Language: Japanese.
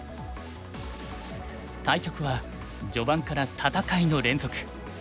対局は序盤から戦いの連続。